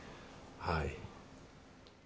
はい。